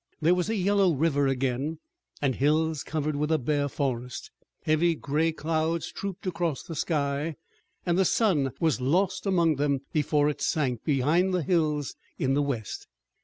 There was a yellow river again, and hills covered with a bare forest. Heavy gray clouds trooped across the sky, and the sun was lost among them before it sank behind the hills in the west.